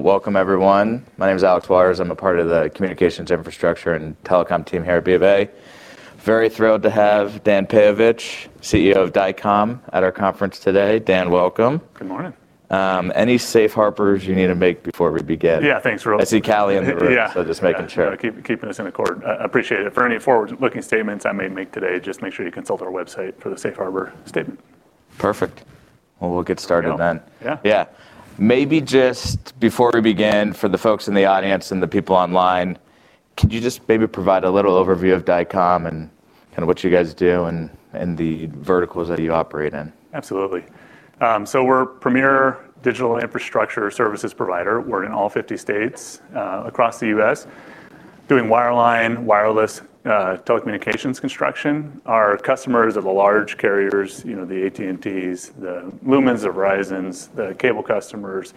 Welcome, everyone. My name is Alex Waters. I'm a part of the Communications Infrastructure and Telecom team here at BofA. Very thrilled to have Dan Peyovich, CEO of Dycom, at our conference today. Dan, welcome. Good morning. Any safe harbors you need to make before we begin? Yeah, thanks, Ralph. I see Callie in the room, so just making sure. Keeping us on the call. Appreciate it. For any forward-looking statements I may make today, just make sure you consult our website for the safe harbor statement. Perfect. Well, we'll get started then. Yeah. Yeah. Maybe just before we begin, for the folks in the audience and the people online, could you just maybe provide a little overview of Dycom and kind of what you guys do and the verticals that you operate in? Absolutely, so we're a premier digital infrastructure services provider. We're in all 50 states across the U.S., doing wireline, wireless telecommunications construction. Our customers are the large carriers, you know, the AT&Ts, the Lumens, the Verizons, the cable customers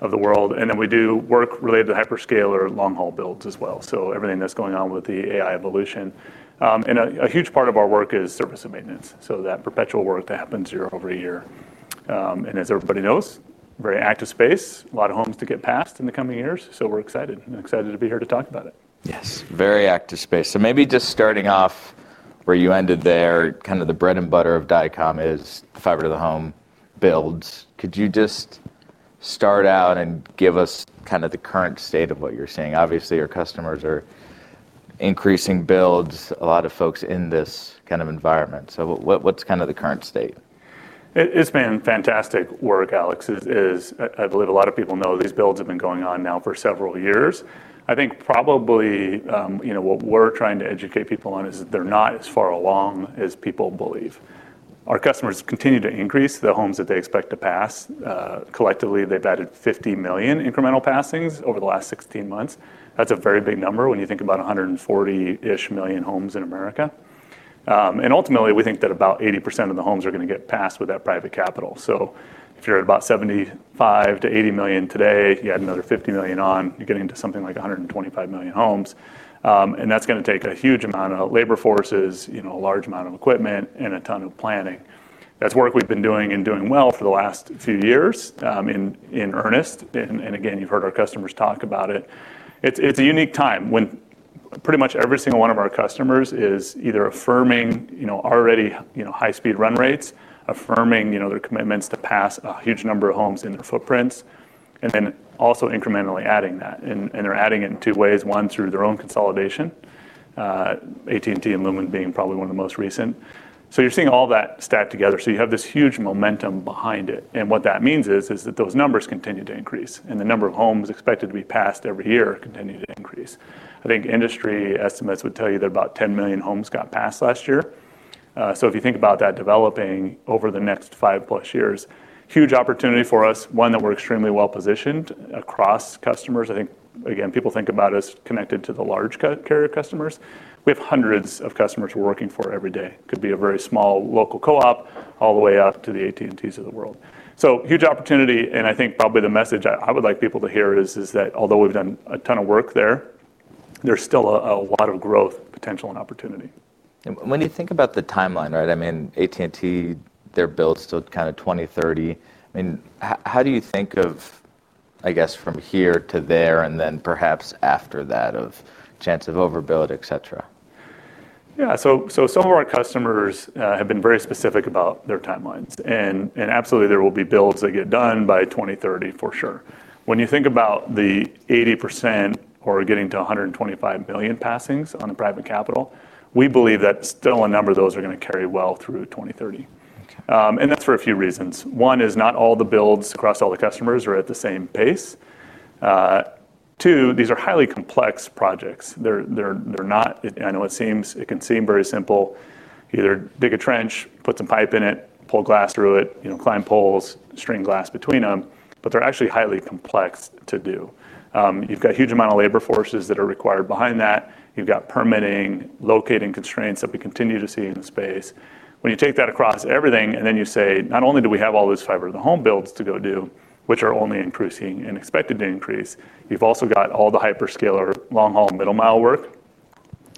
of the world, and then we do work related to hyperscale or long-haul builds as well, so everything that's going on with the AI evolution, and a huge part of our work is service and maintenance, so that perpetual work that happens year over year, and as everybody knows, very active space, a lot of homes to get passed in the coming years, so we're excited and excited to be here to talk about it. Yes. Very active space. So maybe just starting off where you ended there, kind of the bread and butter of Dycom is fiber to the home builds. Could you just start out and give us kind of the current state of what you're seeing? Obviously, your customers are increasing builds, a lot of folks in this kind of environment. So what's kind of the current state? It's been fantastic work, Alex. I believe a lot of people know these builds have been going on now for several years. I think probably what we're trying to educate people on is that they're not as far along as people believe. Our customers continue to increase the homes that they expect to pass. Collectively, they've added 50 million incremental passings over the last 16 months. That's a very big number when you think about 140-ish million homes in America. And ultimately, we think that about 80% of the homes are going to get passed with that private capital. So if you're at about 75-80 million today, you add another 50 million on, you're getting to something like 125 million homes. And that's going to take a huge amount of labor forces, a large amount of equipment, and a ton of planning. That's work we've been doing and doing well for the last few years in earnest. And again, you've heard our customers talk about it. It's a unique time when pretty much every single one of our customers is either affirming already high-speed run rates, affirming their commitments to pass a huge number of homes in their footprints, and then also incrementally adding that. And they're adding it in two ways. One, through their own consolidation, AT&T and Lumen being probably one of the most recent. So you're seeing all that stacked together. So you have this huge momentum behind it. And what that means is that those numbers continue to increase. And the number of homes expected to be passed every year continue to increase. I think industry estimates would tell you that about 10 million homes got passed last year. So if you think about that developing over the next five-plus years, huge opportunity for us. One, that we're extremely well-positioned across customers. I think, again, people think about us connected to the large carrier customers. We have hundreds of customers we're working for every day. It could be a very small local co-op all the way up to the AT&Ts of the world. So huge opportunity. And I think probably the message I would like people to hear is that although we've done a ton of work there, there's still a lot of growth potential and opportunity. When you think about the timeline, right? I mean, AT&T, their builds till kind of 2030. I mean, how do you think of, I guess, from here to there and then perhaps after that, the chance of overbuild, et cetera? Yeah. So some of our customers have been very specific about their timelines. And absolutely, there will be builds that get done by 2030 for sure. When you think about the 80% or getting to 125 million passings on the private capital, we believe that still a number of those are going to carry well through 2030. And that's for a few reasons. One is not all the builds across all the customers are at the same pace. Two, these are highly complex projects. They're not, I know it seems, it can seem very simple, either dig a trench, put some pipe in it, pull glass through it, climb poles, string glass between them, but they're actually highly complex to do. You've got a huge amount of labor forces that are required behind that. You've got permitting, locating constraints that we continue to see in the space. When you take that across everything and then you say, not only do we have all those fiber to the home builds to go do, which are only increasing and expected to increase, you've also got all the hyperscale or long-haul middle-mile work.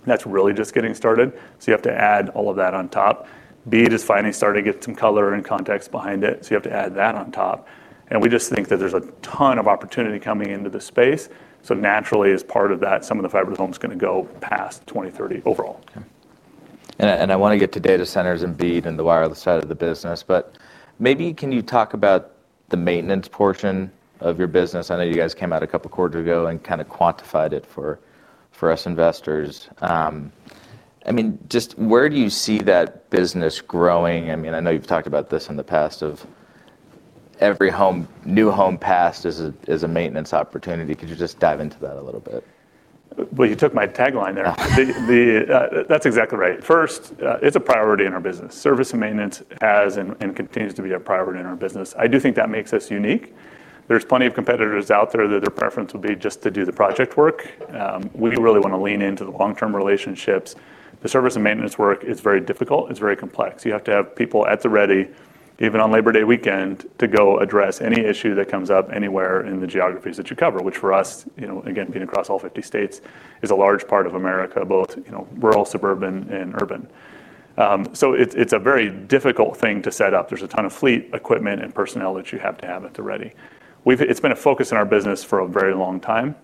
That's really just getting started. So you have to add all of that on top. BEAD is finally starting to get some color and context behind it. So you have to add that on top. And we just think that there's a ton of opportunity coming into the space. So naturally, as part of that, some of the fiber to the home is going to go past 2030 overall. I want to get to data centers and BEAD and the wireless side of the business, but maybe can you talk about the maintenance portion of your business? I know you guys came out a couple of quarters ago and kind of quantified it for us investors. I mean, just where do you see that business growing? I mean, I know you've talked about this in the past of every new home passed is a maintenance opportunity. Could you just dive into that a little bit? You took my tagline there. That's exactly right. First, it's a priority in our business. Service and maintenance has and continues to be a priority in our business. I do think that makes us unique. There's plenty of competitors out there that their preference would be just to do the project work. We really want to lean into the long-term relationships. The service and maintenance work is very difficult. It's very complex. You have to have people at the ready, even on Labor Day weekend, to go address any issue that comes up anywhere in the geographies that you cover, which for us, again, being across all 50 states, is a large part of America, both rural, suburban, and urban. So it's a very difficult thing to set up. There's a ton of fleet, equipment, and personnel that you have to have at the ready. It's been a focus in our business for a very long time.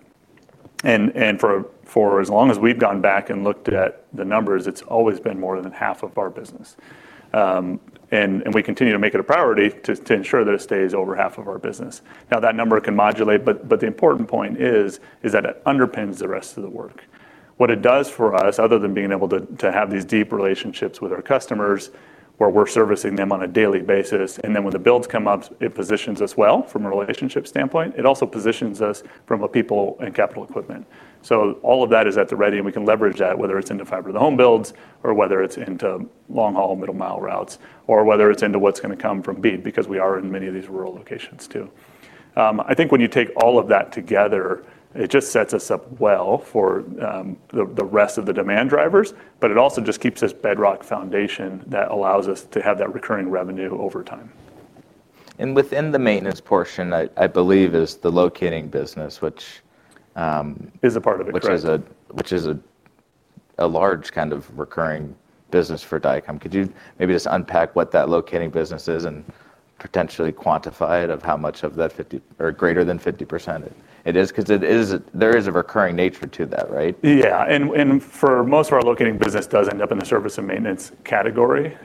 And for as long as we've gone back and looked at the numbers, it's always been more than half of our business. And we continue to make it a priority to ensure that it stays over half of our business. Now, that number can modulate, but the important point is that it underpins the rest of the work. What it does for us, other than being able to have these deep relationships with our customers where we're servicing them on a daily basis, and then when the builds come up, it positions us well from a relationship standpoint. It also positions us from a people and capital equipment. So all of that is at the ready, and we can leverage that, whether it's into fiber to the home builds or whether it's into long-haul, middle-mile routes, or whether it's into what's going to come from BEAD, because we are in many of these rural locations too. I think when you take all of that together, it just sets us up well for the rest of the demand drivers, but it also just keeps this bedrock foundation that allows us to have that recurring revenue over time. And within the maintenance portion, I believe, is the locating business, which. Is a part of it, correct? Which is a large kind of recurring business for Dycom. Could you maybe just unpack what that locating business is and potentially quantify it of how much of that 50% or greater than 50% it is? Because there is a recurring nature to that, right? Yeah. And for most of our locating business does end up in the service and maintenance category.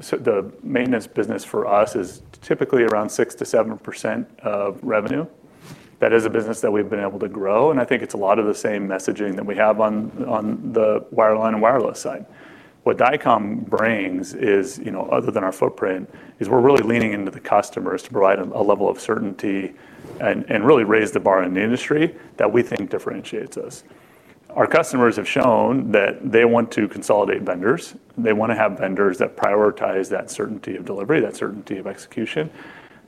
So the maintenance business for us is typically around 6%-7% of revenue. That is a business that we've been able to grow. And I think it's a lot of the same messaging that we have on the wireline and wireless side. What Dycom brings is, other than our footprint, is we're really leaning into the customers to provide a level of certainty and really raise the bar in the industry that we think differentiates us. Our customers have shown that they want to consolidate vendors. They want to have vendors that prioritize that certainty of delivery, that certainty of execution,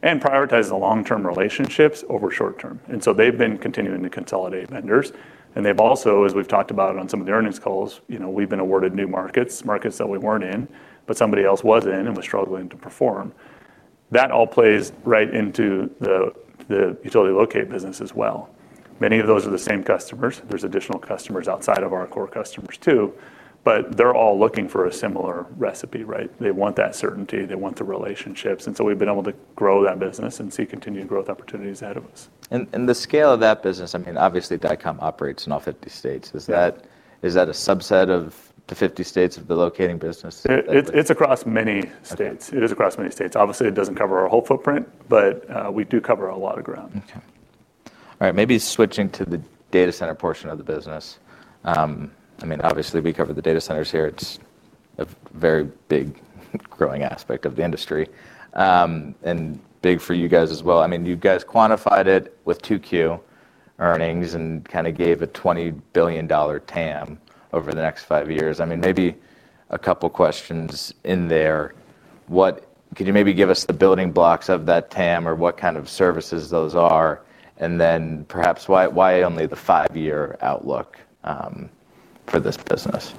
and prioritize the long-term relationships over short-term. And so they've been continuing to consolidate vendors. And they've also, as we've talked about on some of the earnings calls, we've been awarded new markets, markets that we weren't in, but somebody else was in and was struggling to perform. That all plays right into the utility locate business as well. Many of those are the same customers. There's additional customers outside of our core customers too, but they're all looking for a similar recipe, right? They want that certainty. They want the relationships. And so we've been able to grow that business and see continued growth opportunities ahead of us. The scale of that business, I mean, obviously, Dycom operates in all 50 states. Is that a subset of the 50 states of the locating business? It's across many states. Obviously, it doesn't cover our whole footprint, but we do cover a lot of ground. Okay. All right. Maybe switching to the data center portion of the business. I mean, obviously, we cover the data centers here. It's a very big growing aspect of the industry and big for you guys as well. I mean, you guys quantified it with 2Q earnings and kind of gave a $20 billion TAM over the next five years. I mean, maybe a couple of questions in there. Could you maybe give us the building blocks of that TAM or what kind of services those are? And then perhaps why only the five-year outlook for this business?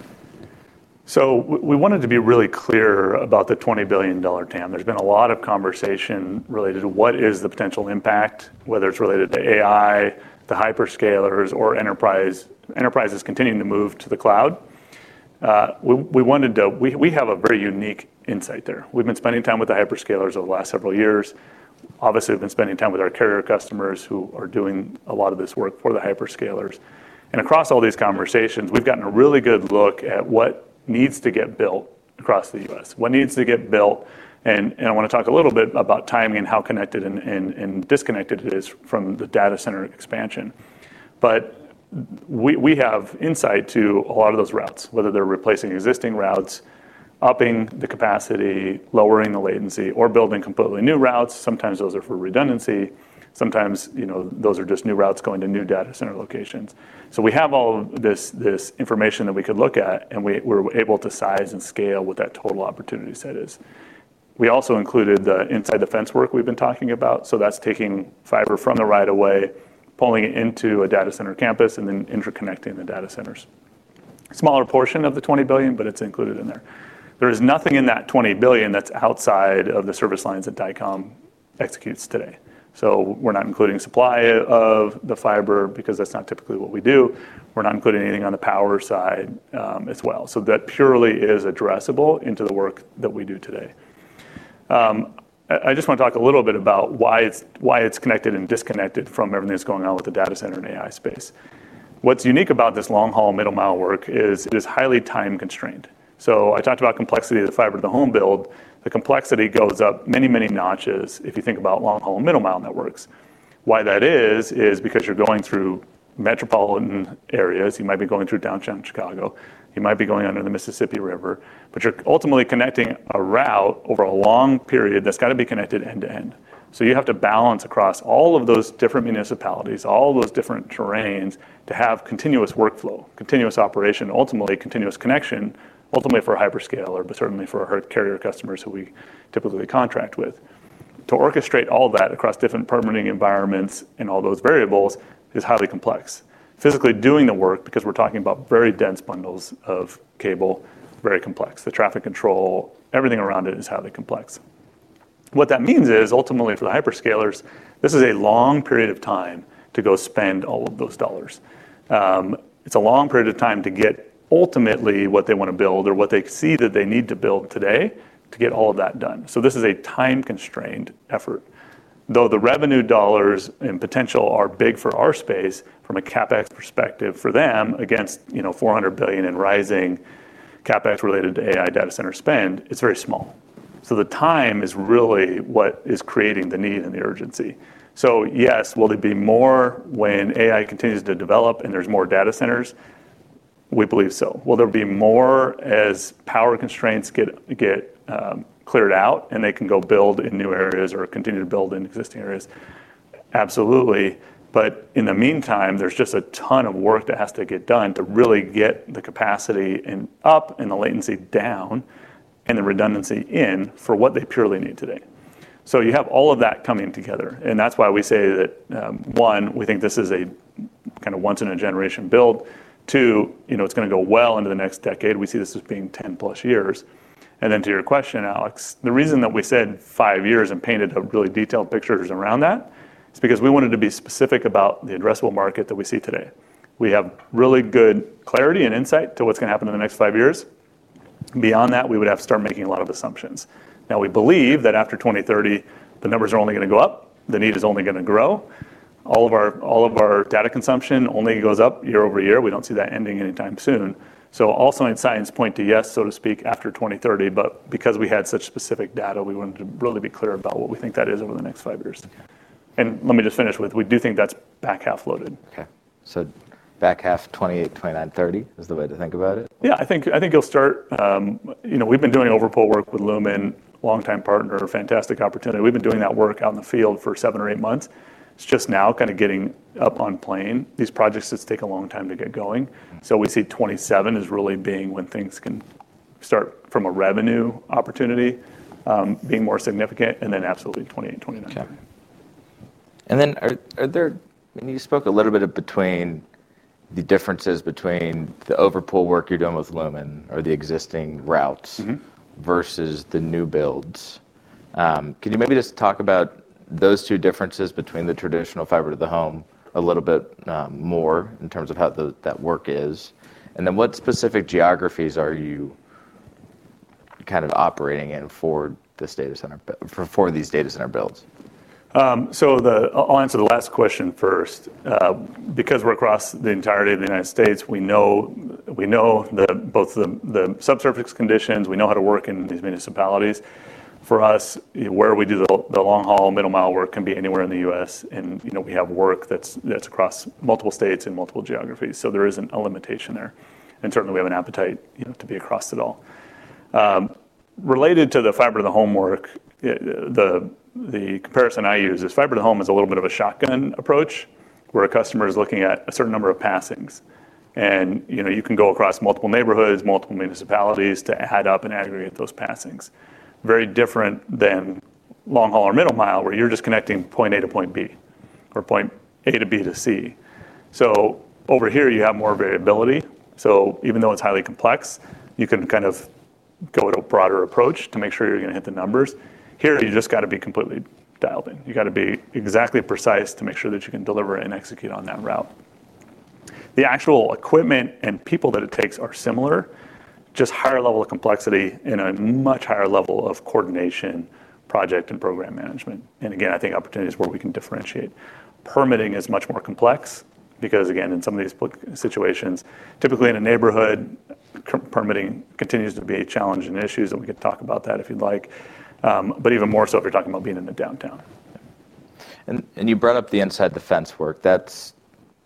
So we wanted to be really clear about the $20 billion TAM. There's been a lot of conversation related to what is the potential impact, whether it's related to AI, the hyperscalers, or enterprises continuing to move to the cloud. We have a very unique insight there. We've been spending time with the hyperscalers over the last several years. Obviously, we've been spending time with our carrier customers who are doing a lot of this work for the hyperscalers. And across all these conversations, we've gotten a really good look at what needs to get built across the U.S., what needs to get built. And I want to talk a little bit about timing and how connected and disconnected it is from the data center expansion. But we have insight to a lot of those routes, whether they're replacing existing routes, upping the capacity, lowering the latency, or building completely new routes. Sometimes those are for redundancy. Sometimes those are just new routes going to new data center locations. So we have all this information that we could look at, and we're able to size and scale what that total opportunity set is. We also included the inside the fence work we've been talking about. So that's taking fiber from the right of way, pulling it into a data center campus, and then interconnecting the data centers. Smaller portion of the $20 billion, but it's included in there. There is nothing in that $20 billion that's outside of the service lines that Dycom executes today. So we're not including supply of the fiber because that's not typically what we do. We're not including anything on the power side as well. So that purely is addressable into the work that we do today. I just want to talk a little bit about why it's connected and disconnected from everything that's going on with the data center and AI space. What's unique about this long-haul, middle-mile work is it is highly time constrained. So I talked about complexity of the fiber to the home build. The complexity goes up many, many notches if you think about long-haul and middle-mile networks. Why that is, is because you're going through metropolitan areas. You might be going through downtown Chicago. You might be going under the Mississippi River. But you're ultimately connecting a route over a long period that's got to be connected end to end. So you have to balance across all of those different municipalities, all of those different terrains to have continuous workflow, continuous operation, ultimately continuous connection, ultimately for hyperscaler, but certainly for our carrier customers who we typically contract with. To orchestrate all that across different permitting environments and all those variables is highly complex. Physically doing the work, because we're talking about very dense bundles of cable, very complex. The traffic control, everything around it is highly complex. What that means is, ultimately, for the hyperscalers, this is a long period of time to go spend all of those dollars. It's a long period of time to get ultimately what they want to build or what they see that they need to build today to get all of that done. So this is a time-constrained effort. Though the revenue dollars and potential are big for our space from a CapEx perspective for them against $400 billion and rising CapEx related to AI data center spend, it's very small. So the time is really what is creating the need and the urgency, so yes, will there be more when AI continues to develop and there's more data centers? We believe so. Will there be more as power constraints get cleared out and they can go build in new areas or continue to build in existing areas? Absolutely. But in the meantime, there's just a ton of work that has to get done to really get the capacity up and the latency down and the redundancy in for what they purely need today, so you have all of that coming together, and that's why we say that, one, we think this is a kind of once-in-a-generation build. Two, it's going to go well into the next decade. We see this as being 10-plus years. And then to your question, Alex, the reason that we said five years and painted a really detailed picture around that is because we wanted to be specific about the addressable market that we see today. We have really good clarity and insight to what's going to happen in the next five years. Beyond that, we would have to start making a lot of assumptions. Now, we believe that after 2030, the numbers are only going to go up. The need is only going to grow. All of our data consumption only goes up year over year. We don't see that ending anytime soon. So all science points to yes, so to speak, after 2030. But because we had such specific data, we wanted to really be clear about what we think that is over the next five years. And let me just finish with, we do think that's back half loaded. Okay, so back half 2028, 2029, 2030 is the way to think about it? Yeah. I think it'll start. We've been doing overpull work with Lumen, longtime partner, fantastic opportunity. We've been doing that work out in the field for seven or eight months. It's just now kind of getting up on plane. These projects just take a long time to get going. So we see 2027 is really being when things can start from a revenue opportunity being more significant and then absolutely 2028, 2029. Okay. And then are there—and you spoke a little bit between the differences between the overpull work you're doing with Lumen or the existing routes versus the new builds. Can you maybe just talk about those two differences between the traditional fiber to the home a little bit more in terms of how that work is? And then what specific geographies are you kind of operating in for this data center, for these data center builds? So I'll answer the last question first. Because we're across the entirety of the United States, we know both the subsurface conditions. We know how to work in these municipalities. For us, where we do the long-haul, middle-mile work can be anywhere in the U.S. And we have work that's across multiple states and multiple geographies. So there isn't a limitation there. And certainly, we have an appetite to be across it all. Related to the fiber to the home work, the comparison I use is fiber to the home is a little bit of a shotgun approach where a customer is looking at a certain number of passings. And you can go across multiple neighborhoods, multiple municipalities to add up and aggregate those passings. Very different than long-haul or middle-mile where you're just connecting point A to point B or point A to B to C. So over here, you have more variability. So even though it's highly complex, you can kind of go with a broader approach to make sure you're going to hit the numbers. Here, you just got to be completely dialed in. You got to be exactly precise to make sure that you can deliver and execute on that route. The actual equipment and people that it takes are similar, just higher level of complexity and a much higher level of coordination, project, and program management. And again, I think opportunities where we can differentiate. Permitting is much more complex because, again, in some of these situations, typically in a neighborhood, permitting continues to be a challenge and issues, and we can talk about that if you'd like, but even more so if you're talking about being in the downtown. And you brought up the inside the fence work. That's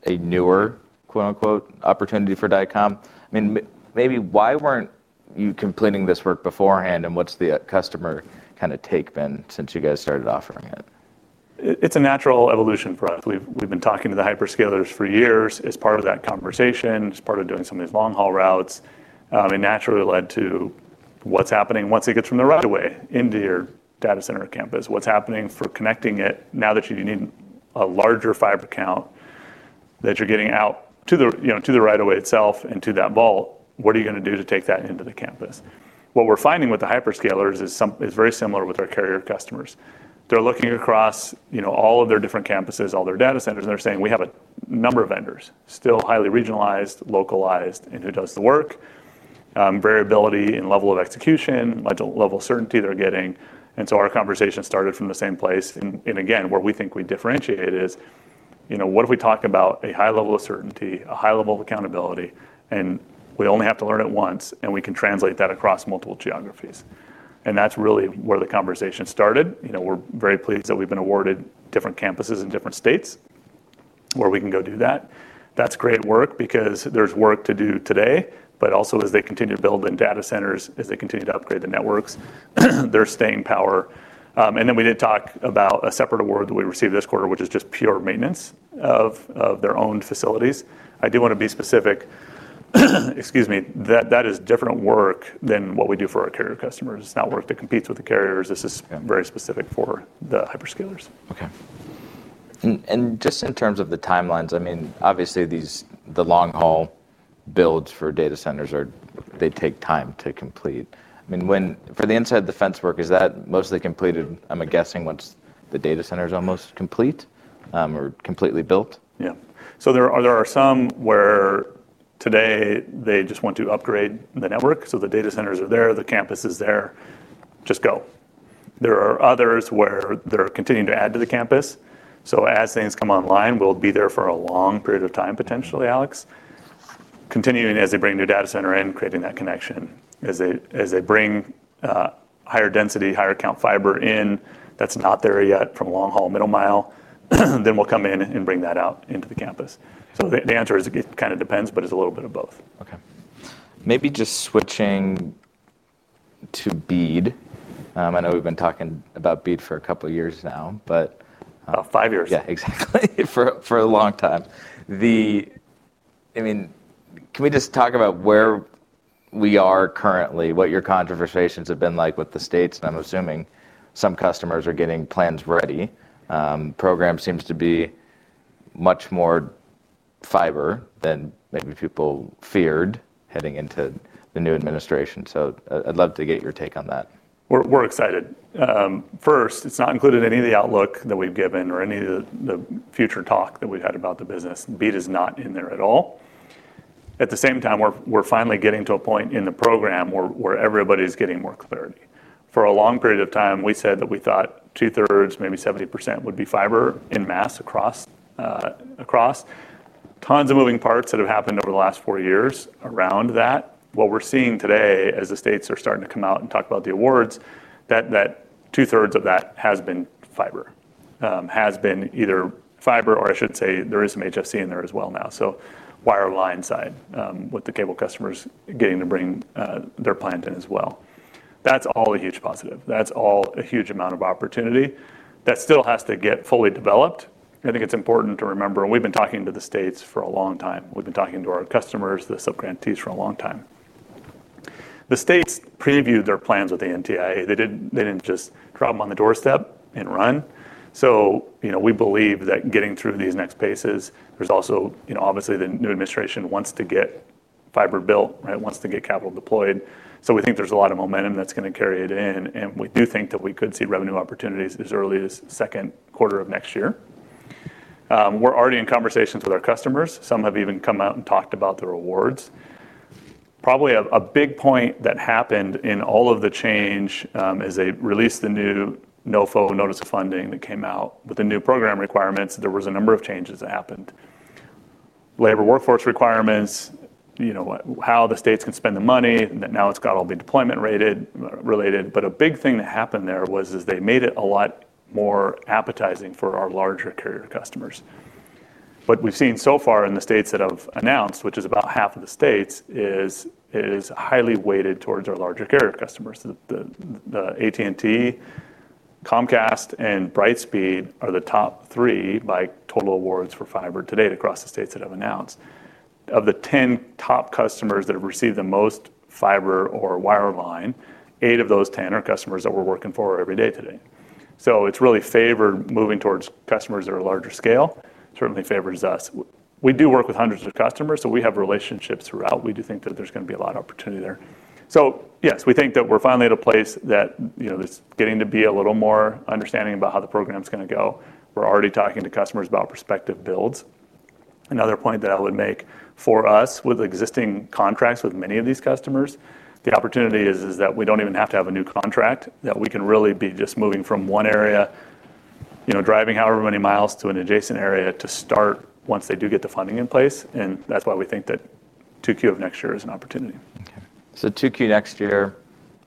a newer, quote-unquote, opportunity for Dycom. I mean, maybe why weren't you completing this work beforehand, and what's the customer kind of take been since you guys started offering it? It's a natural evolution for us. We've been talking to the hyperscalers for years as part of that conversation, as part of doing some of these long-haul routes. It naturally led to what's happening once it gets from the right of way into your data center campus. What's happening for connecting it now that you need a larger fiber count that you're getting out to the right of way itself and to that vault? What are you going to do to take that into the campus? What we're finding with the hyperscalers is very similar with our carrier customers. They're looking across all of their different campuses, all their data centers, and they're saying, "We have a number of vendors, still highly regionalized, localized, and who does the work?" Variability in level of execution, level of certainty they're getting, and so our conversation started from the same place. Again, where we think we differentiate is, what if we talk about a high level of certainty, a high level of accountability, and we only have to learn it once, and we can translate that across multiple geographies? That's really where the conversation started. We're very pleased that we've been awarded different campuses in different states where we can go do that. That's great work because there's work to do today, but also as they continue to build in data centers, as they continue to upgrade the networks, they're staying power. Then we did talk about a separate award that we received this quarter, which is just pure maintenance of their own facilities. I do want to be specific. Excuse me. That is different work than what we do for our carrier customers. It's not work that competes with the carriers. This is very specific for the hyperscalers. Okay. And just in terms of the timelines, I mean, obviously, the long-haul builds for data centers, they take time to complete. I mean, for the inside the fence work, is that mostly completed, I'm guessing, once the data center is almost complete or completely built? Yeah. So there are some where today they just want to upgrade the network. So the data centers are there. The campus is there. Just go. There are others where they're continuing to add to the campus. So as things come online, we'll be there for a long period of time, potentially, Alex, continuing as they bring new data center in, creating that connection. As they bring higher density, higher count fiber in that's not there yet from long-haul, middle-mile, then we'll come in and bring that out into the campus. So the answer is it kind of depends, but it's a little bit of both. Okay. Maybe just switching to BEAD. I know we've been talking about BEAD for a couple of years now, but. Five years. Yeah, exactly. For a long time. I mean, can we just talk about where we are currently, what your controversies have been like with the states? And I'm assuming some customers are getting plans ready. Programs seem to be much more fiber than maybe people feared heading into the new administration. So I'd love to get your take on that. We're excited. First, it's not included in any of the outlook that we've given or any of the future talk that we've had about the business. BEAD is not in there at all. At the same time, we're finally getting to a point in the program where everybody's getting more clarity. For a long period of time, we said that we thought two-thirds, maybe 70%, would be fiber en masse across. Tons of moving parts that have happened over the last four years around that. What we're seeing today as the states are starting to come out and talk about the awards, that two-thirds of that has been fiber, has been either fiber, or I should say there is some HFC in there as well now. So wireline side with the cable customers getting to bring their plant in as well. That's all a huge positive. That's all a huge amount of opportunity. That still has to get fully developed. I think it's important to remember, and we've been talking to the states for a long time. We've been talking to our customers, the sub-grantees for a long time. The states previewed their plans with the NTIA. They didn't just drop them on the doorstep and run. So we believe that getting through these next paces, there's also obviously the new administration wants to get fiber built, right? Wants to get capital deployed. So we think there's a lot of momentum that's going to carry it in. And we do think that we could see revenue opportunities as early as second quarter of next year. We're already in conversations with our customers. Some have even come out and talked about the awards. Probably a big point that happened in all of the change as they released the new NOFO notice of funding that came out with the new program requirements, there was a number of changes that happened. Labor workforce requirements, how the states can spend the money, that now it's got all the deployment related. But a big thing that happened there was they made it a lot more appetizing for our larger carrier customers. What we've seen so far in the states that have announced, which is about half of the states, is highly weighted towards our larger carrier customers. The AT&T, Comcast, and Brightspeed are the top three by total awards for fiber today across the states that have announced. Of the 10 top customers that have received the most fiber or wireline, eight of those 10 are customers that we're working for every day today. So it's really favored moving towards customers that are larger scale, certainly favors us. We do work with hundreds of customers, so we have relationships throughout. We do think that there's going to be a lot of opportunity there. So yes, we think that we're finally at a place that it's getting to be a little more understanding about how the program's going to go. We're already talking to customers about prospective builds. Another point that I would make for us with existing contracts with many of these customers, the opportunity is that we don't even have to have a new contract, that we can really be just moving from one area, driving however many miles to an adjacent area to start once they do get the funding in place. And that's why we think that 2Q of next year is an opportunity. Okay. So 2Q next year,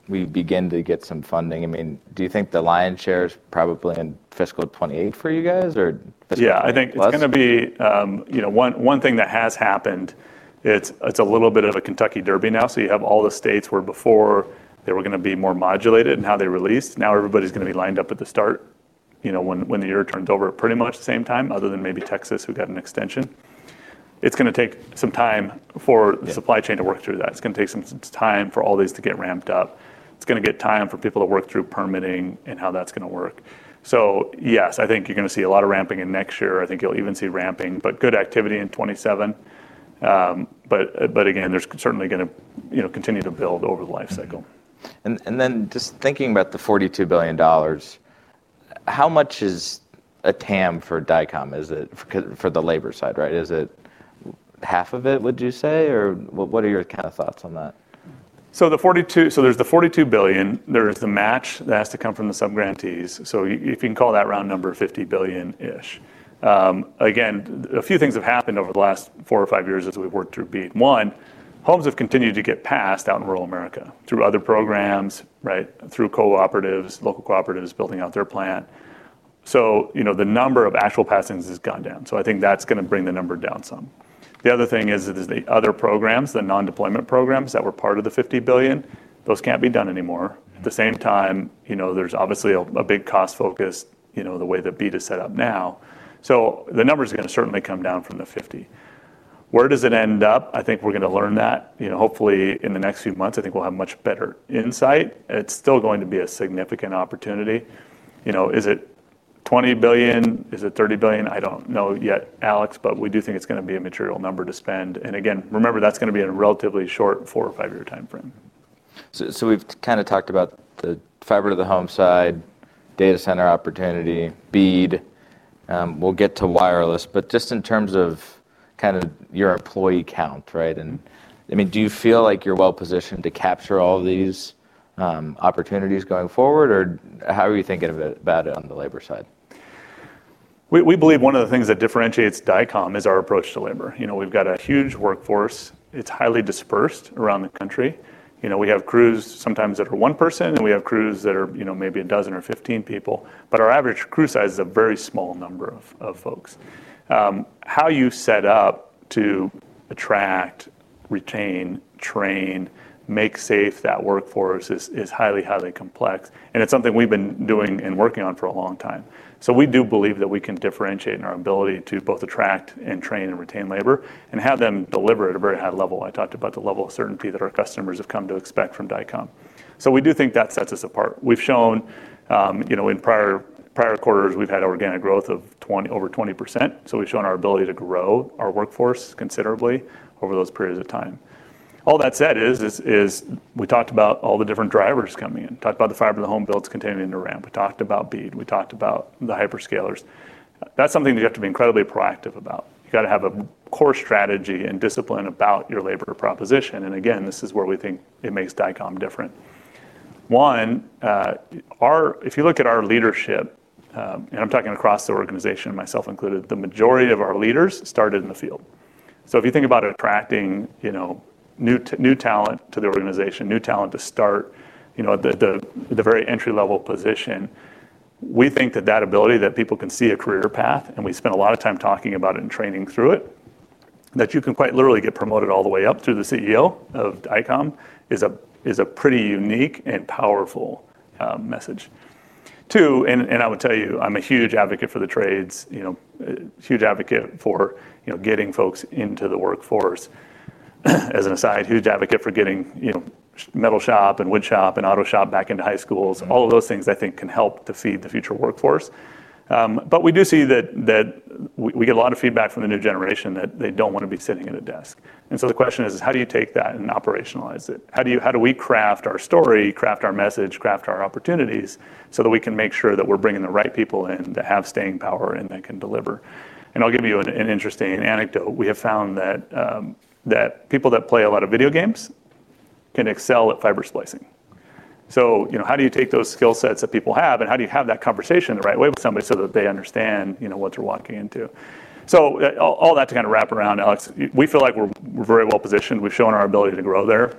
we begin to get some funding. I mean, do you think the lion's share is probably in fiscal 2028 for you guys or fiscal 2029? Yeah. I think it's going to be one thing that has happened. It's a little bit of a Kentucky Derby now. So you have all the states where before they were going to be more modulated in how they released. Now everybody's going to be lined up at the start when the year turns over at pretty much the same time, other than maybe Texas who got an extension. It's going to take some time for the supply chain to work through that. It's going to take some time for all these to get ramped up. It's going to get time for people to work through permitting and how that's going to work. So yes, I think you're going to see a lot of ramping in next year. I think you'll even see ramping, but good activity in 2027. But again, there's certainly going to continue to build over the lifecycle. And then just thinking about the $42 billion, how much is a TAM for Dycom? Is it for the labor side, right? Is it half of it, would you say? Or what are your kind of thoughts on that? So there's the $42 billion. There is the match that has to come from the sub-grantees. So if you can call that round number $50 billion-ish. Again, a few things have happened over the last four or five years as we've worked through BEAD. One, homes have continued to get passed out in rural America through other programs, right, through cooperatives, local cooperatives building out their plant. So the number of actual passings has gone down. So I think that's going to bring the number down some. The other thing is that there's the other programs, the non-deployment programs that were part of the $50 billion. Those can't be done anymore. At the same time, there's obviously a big cost focus the way that BEAD is set up now. So the number's going to certainly come down from the $50. Where does it end up? I think we're going to learn that. Hopefully, in the next few months, I think we'll have much better insight. It's still going to be a significant opportunity. Is it $20 billion? Is it $30 billion? I don't know yet, Alex, but we do think it's going to be a material number to spend. And again, remember, that's going to be in a relatively short four or five-year timeframe. So we've kind of talked about the fiber to the home side, data center opportunity, BEAD. We'll get to wireless. But just in terms of kind of your employee count, right? And I mean, do you feel like you're well-positioned to capture all these opportunities going forward? Or how are you thinking about it on the labor side? We believe one of the things that differentiates Dycom is our approach to labor. We've got a huge workforce. It's highly dispersed around the country. We have crews sometimes that are one person, and we have crews that are maybe a dozen or 15 people, but our average crew size is a very small number of folks. How you set up to attract, retain, train, make safe that workforce is highly, highly complex, and it's something we've been doing and working on for a long time, so we do believe that we can differentiate in our ability to both attract and train and retain labor and have them deliver at a very high level. I talked about the level of certainty that our customers have come to expect from Dycom, so we do think that sets us apart. We've shown in prior quarters, we've had organic growth of over 20%. So we've shown our ability to grow our workforce considerably over those periods of time. All that said is we talked about all the different drivers coming in, talked about the fiber to the home builds continuing to ramp. We talked about BEAD. We talked about the hyperscalers. That's something you have to be incredibly proactive about. You got to have a core strategy and discipline about your labor proposition. And again, this is where we think it makes Dycom different. One, if you look at our leadership, and I'm talking across the organization, myself included, the majority of our leaders started in the field. If you think about attracting new talent to the organization, new talent to start at the very entry-level position, we think that that ability that people can see a career path, and we spend a lot of time talking about it and training through it, that you can quite literally get promoted all the way up through the CEO of Dycom is a pretty unique and powerful message. Two, and I will tell you, I'm a huge advocate for the trades, huge advocate for getting folks into the workforce. As an aside, huge advocate for getting metal shop and wood shop and auto shop back into high schools. All of those things, I think, can help to feed the future workforce. But we do see that we get a lot of feedback from the new generation that they don't want to be sitting at a desk. And so the question is, how do you take that and operationalize it? How do we craft our story, craft our message, craft our opportunities so that we can make sure that we're bringing the right people in that have staying power and that can deliver? And I'll give you an interesting anecdote. We have found that people that play a lot of video games can excel at fiber splicing. So how do you take those skill sets that people have, and how do you have that conversation the right way with somebody so that they understand what they're walking into? So all that to kind of wrap around, Alex, we feel like we're very well-positioned. We've shown our ability to grow there.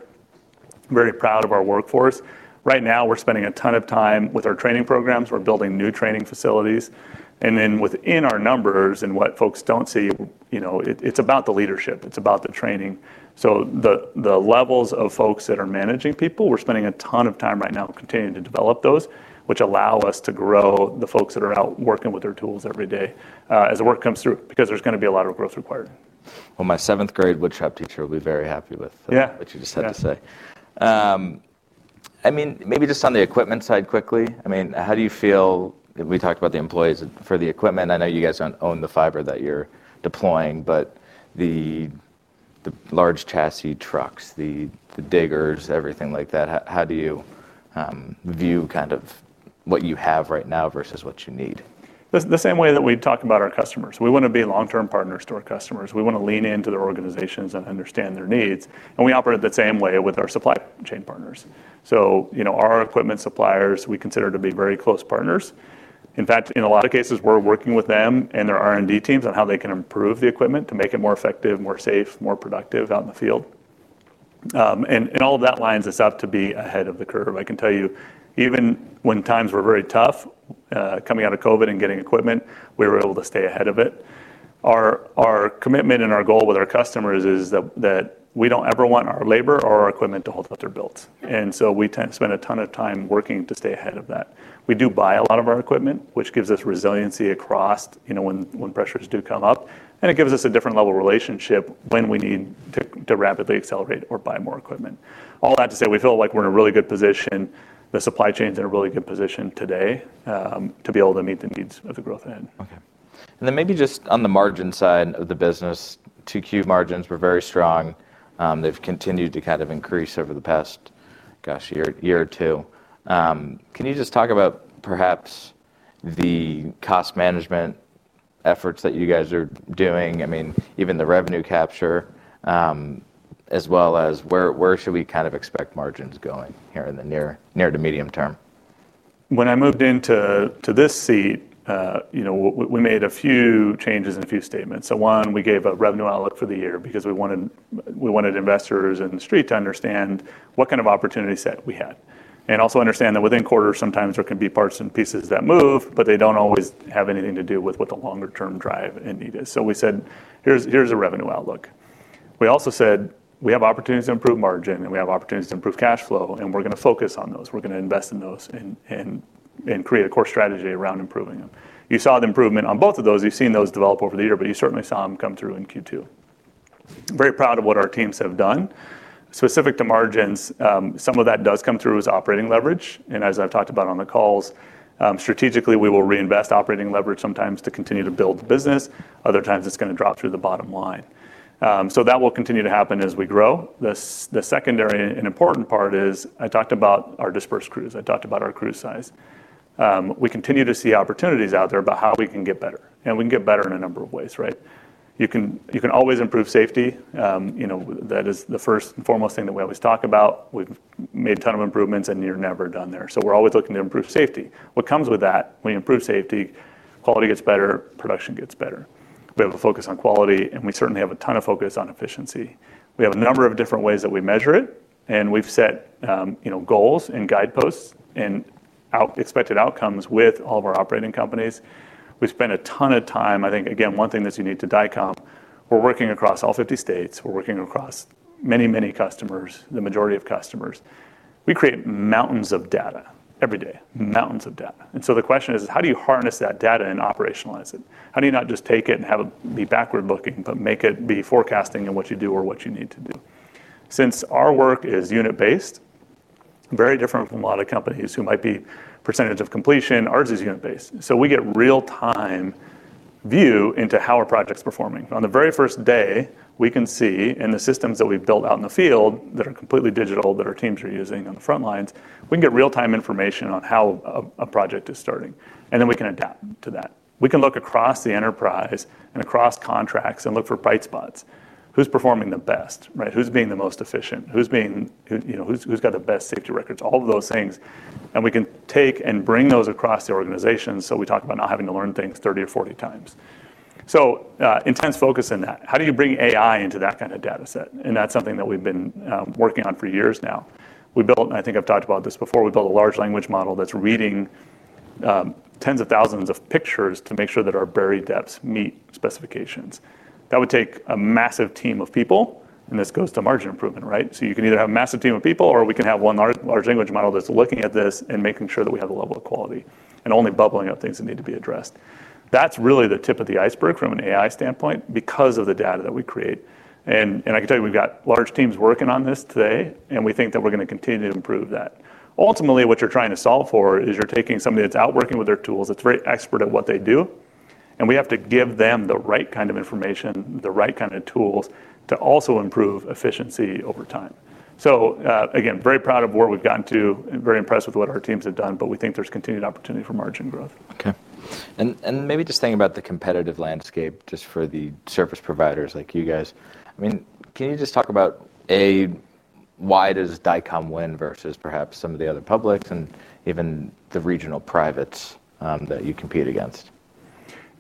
Very proud of our workforce. Right now, we're spending a ton of time with our training programs. We're building new training facilities. And then within our numbers and what folks don't see, it's about the leadership. It's about the training. So the levels of folks that are managing people, we're spending a ton of time right now continuing to develop those, which allow us to grow the folks that are out working with their tools every day as the work comes through because there's going to be a lot of growth required. My seventh-grade wood shop teacher will be very happy with what you just had to say. I mean, maybe just on the equipment side quickly. I mean, how do you feel? We talked about the employees for the equipment. I know you guys don't own the fiber that you're deploying, but the large chassis trucks, the diggers, everything like that, how do you view kind of what you have right now versus what you need? The same way that we talk about our customers. We want to be long-term partners to our customers. We want to lean into their organizations and understand their needs. And we operate the same way with our supply chain partners. So our equipment suppliers, we consider to be very close partners. In fact, in a lot of cases, we're working with them and their R&D teams on how they can improve the equipment to make it more effective, more safe, more productive out in the field. And all of that lines us up to be ahead of the curve. I can tell you, even when times were very tough coming out of COVID and getting equipment, we were able to stay ahead of it. Our commitment and our goal with our customers is that we don't ever want our labor or our equipment to hold up their builds. And so we spend a ton of time working to stay ahead of that. We do buy a lot of our equipment, which gives us resiliency across when pressures do come up. And it gives us a different level of relationship when we need to rapidly accelerate or buy more equipment. All that to say, we feel like we're in a really good position. The supply chain's in a really good position today to be able to meet the needs of the growth ahead. Okay. And then maybe just on the margin side of the business, 2Q margins were very strong. They've continued to kind of increase over the past, gosh, year or two. Can you just talk about perhaps the cost management efforts that you guys are doing? I mean, even the revenue capture, as well as where should we kind of expect margins going here in the near to medium term? When I moved into this seat, we made a few changes and a few statements. So one, we gave a revenue outlook for the year because we wanted investors in the street to understand what kind of opportunity set we had. And also understand that within quarters, sometimes there can be parts and pieces that move, but they don't always have anything to do with what the longer-term drive and need is. So we said, "Here's a revenue outlook." We also said, "We have opportunities to improve margin, and we have opportunities to improve cash flow, and we're going to focus on those. We're going to invest in those and create a core strategy around improving them." You saw the improvement on both of those. You've seen those develop over the year, but you certainly saw them come through in Q2. Very proud of what our teams have done. Specific to margins, some of that does come through as operating leverage. And as I've talked about on the calls, strategically, we will reinvest operating leverage sometimes to continue to build the business. Other times, it's going to drop through the bottom line. So that will continue to happen as we grow. The secondary and important part is I talked about our dispersed crews. I talked about our crew size. We continue to see opportunities out there about how we can get better. And we can get better in a number of ways, right? You can always improve safety. That is the first and foremost thing that we always talk about. We've made a ton of improvements, and you're never done there. So we're always looking to improve safety. What comes with that? When you improve safety, quality gets better, production gets better. We have a focus on quality, and we certainly have a ton of focus on efficiency. We have a number of different ways that we measure it, and we've set goals and guideposts and expected outcomes with all of our operating companies. We spend a ton of time. I think, again, one thing that's unique to Dycom, we're working across all 50 states. We're working across many, many customers, the majority of customers. We create mountains of data every day, mountains of data, and so the question is, how do you harness that data and operationalize it? How do you not just take it and be backward-looking, but make it be forecasting in what you do or what you need to do? Since our work is unit-based, very different from a lot of companies who might be percentage of completion, ours is unit-based. So we get real-time view into how a project's performing. On the very first day, we can see in the systems that we've built out in the field that are completely digital, that our teams are using on the front lines, we can get real-time information on how a project is starting. And then we can adapt to that. We can look across the enterprise and across contracts and look for bright spots. Who's performing the best, right? Who's being the most efficient? Who's got the best safety records? All of those things. And we can take and bring those across the organization. So we talk about not having to learn things 30 or 40 times. So intense focus in that. How do you bring AI into that kind of data set? And that's something that we've been working on for years now. We built, and I think I've talked about this before, we built a large language model that's reading tens of thousands of pictures to make sure that our buried depths meet specifications. That would take a massive team of people, and this goes to margin improvement, right? So you can either have a massive team of people, or we can have one large language model that's looking at this and making sure that we have a level of quality and only bubbling up things that need to be addressed. That's really the tip of the iceberg from an AI standpoint because of the data that we create, and I can tell you, we've got large teams working on this today, and we think that we're going to continue to improve that. Ultimately, what you're trying to solve for is you're taking somebody that's out working with their tools, that's very expert at what they do, and we have to give them the right kind of information, the right kind of tools to also improve efficiency over time, so again, very proud of where we've gotten to and very impressed with what our teams have done, but we think there's continued opportunity for margin growth. Okay. And maybe just thinking about the competitive landscape just for the service providers like you guys, I mean, can you just talk about, A, why does Dycom win versus perhaps some of the other publics and even the regional privates that you compete against?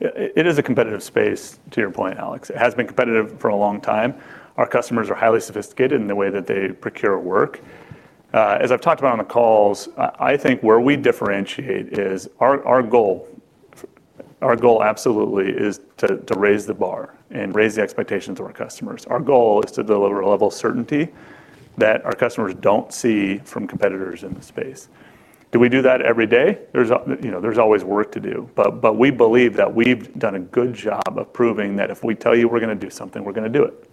It is a competitive space, to your point, Alex. It has been competitive for a long time. Our customers are highly sophisticated in the way that they procure work. As I've talked about on the calls, I think where we differentiate is our goal, our goal absolutely is to raise the bar and raise the expectations of our customers. Our goal is to deliver a level of certainty that our customers don't see from competitors in the space. Do we do that every day? There's always work to do. But we believe that we've done a good job of proving that if we tell you we're going to do something, we're going to do it,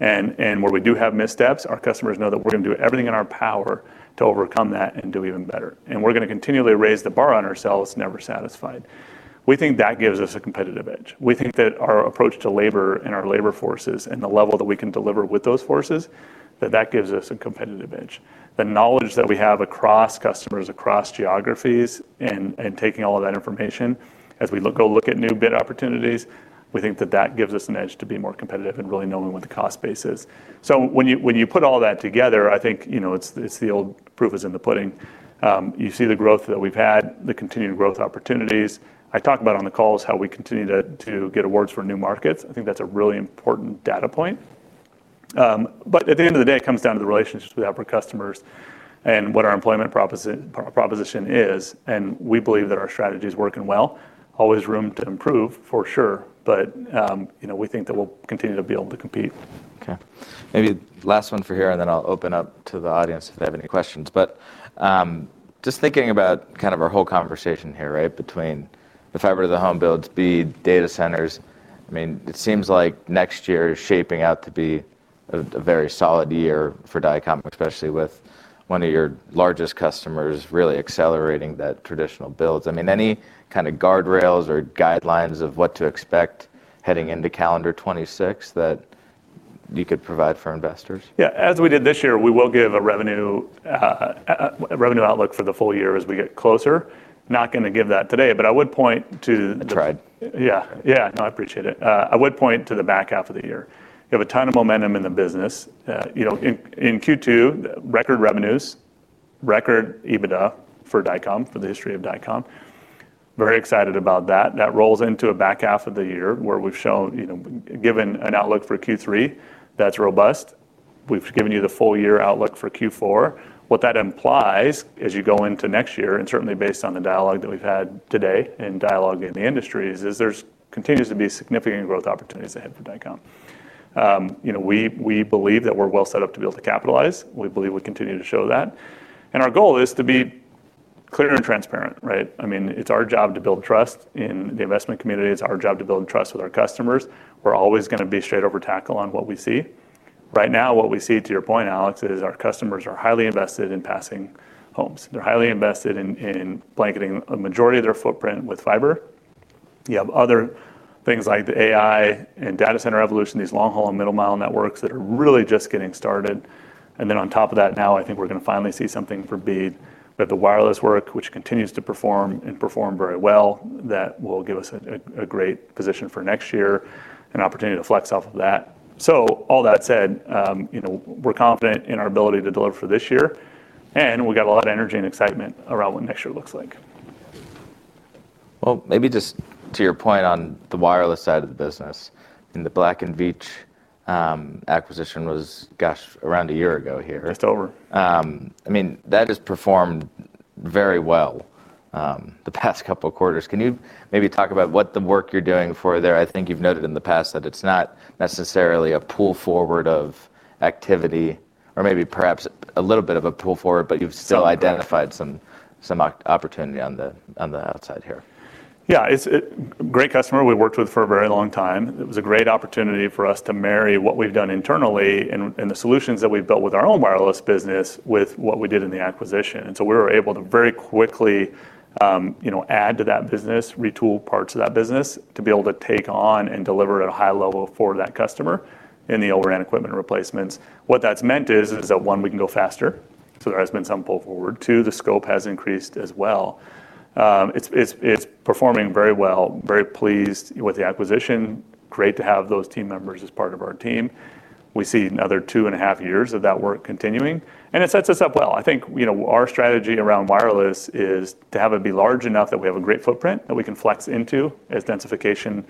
and where we do have missteps, our customers know that we're going to do everything in our power to overcome that and do even better. We're going to continually raise the bar on ourselves, never satisfied. We think that gives us a competitive edge. We think that our approach to labor and our labor forces and the level that we can deliver with those forces, that that gives us a competitive edge. The knowledge that we have across customers, across geographies, and taking all of that information as we go look at new bid opportunities, we think that that gives us an edge to be more competitive and really knowing what the cost base is. So when you put all that together, I think it's the old proof is in the pudding. You see the growth that we've had, the continued growth opportunities. I talk about on the calls how we continue to get awards for new markets. I think that's a really important data point. But at the end of the day, it comes down to the relationships we have with our customers and what our employment proposition is. And we believe that our strategy is working well. Always room to improve, for sure, but we think that we'll continue to be able to compete. Okay. Maybe last one for here, and then I'll open up to the audience if they have any questions. But just thinking about kind of our whole conversation here, right, between the fiber to the home builds, BEAD, data centers, I mean, it seems like next year is shaping out to be a very solid year for Dycom, especially with one of your largest customers really accelerating that traditional builds. I mean, any kind of guardrails or guidelines of what to expect heading into calendar 2026 that you could provide for investors? Yeah. As we did this year, we will give a revenue outlook for the full year as we get closer. Not going to give that today, but I would point to. I tried. Yeah. Yeah. No, I appreciate it. I would point to the back half of the year. You have a ton of momentum in the business. In Q2, record revenues, record EBITDA for Dycom, for the history of Dycom. Very excited about that. That rolls into a back half of the year where we've shown, given an outlook for Q3 that's robust, we've given you the full year outlook for Q4. What that implies as you go into next year, and certainly based on the dialogue that we've had today and dialogue in the industry, is there continues to be significant growth opportunities ahead for Dycom. We believe that we're well set up to be able to capitalize. We believe we continue to show that. And our goal is to be clear and transparent, right? I mean, it's our job to build trust in the investment community. It's our job to build trust with our customers. We're always going to be straightforward on what we see. Right now, what we see, to your point, Alex, is our customers are highly invested in passing homes. They're highly invested in blanketing a majority of their footprint with fiber. You have other things like the AI and data center evolution, these long-haul and middle-mile networks that are really just getting started. And then on top of that, now I think we're going to finally see something for BEAD. We have the wireless work, which continues to perform and perform very well. That will give us a great position for next year, an opportunity to flex off of that. So all that said, we're confident in our ability to deliver for this year. And we've got a lot of energy and excitement around what next year looks like. Maybe just to your point on the wireless side of the business, the Black & Veatch acquisition was, gosh, around a year ago here. Just over. I mean, that has performed very well the past couple of quarters. Can you maybe talk about what the work you're doing for there? I think you've noted in the past that it's not necessarily a pull forward of activity, or maybe perhaps a little bit of a pull forward, but you've still identified some opportunity on the outside here. Yeah. It's a great customer. We worked with for a very long time. It was a great opportunity for us to marry what we've done internally and the solutions that we've built with our own wireless business with what we did in the acquisition. And so we were able to very quickly add to that business, retool parts of that business to be able to take on and deliver at a high level for that customer in the overhead equipment replacements. What that's meant is that, one, we can go faster. So there has been some pull forward. Two, the scope has increased as well. It's performing very well. Very pleased with the acquisition. Great to have those team members as part of our team. We see another two and a half years of that work continuing. And it sets us up well. I think our strategy around wireless is to have it be large enough that we have a great footprint that we can flex into as densification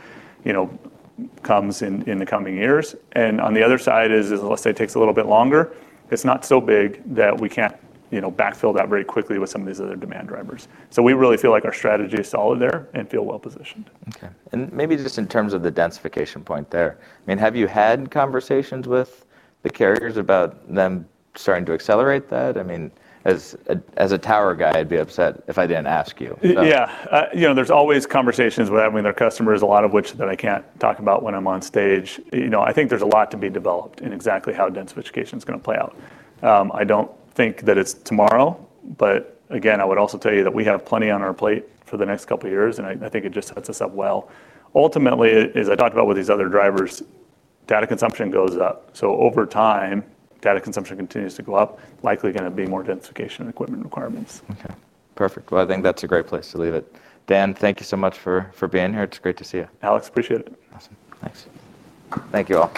comes in the coming years. And on the other side is, unless it takes a little bit longer, it's not so big that we can't backfill that very quickly with some of these other demand drivers. So we really feel like our strategy is solid there and feel well positioned. Okay and maybe just in terms of the densification point there, I mean, have you had conversations with the carriers about them starting to accelerate that? I mean, as a tower guy, I'd be upset if I didn't ask you. Yeah. There's always conversations with having their customers, a lot of which that I can't talk about when I'm on stage. I think there's a lot to be developed in exactly how densification is going to play out. I don't think that it's tomorrow. But again, I would also tell you that we have plenty on our plate for the next couple of years. And I think it just sets us up well. Ultimately, as I talked about with these other drivers, data consumption goes up. So over time, data consumption continues to go up, likely going to be more densification equipment requirements. Okay. Perfect. Well, I think that's a great place to leave it. Dan, thank you so much for being here. It's great to see you. Alex, appreciate it. Awesome. Thanks. Thank you all.